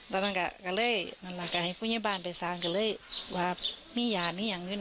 แล้วตอนนั้นก็เลยมันลากันให้พุทธยาบาลไปสร้างก็เลยว่ามียานี่ยังด้วยนั้น